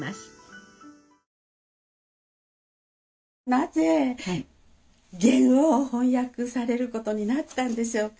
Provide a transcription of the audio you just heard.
なぜゲンを翻訳されることになったんでしょうか。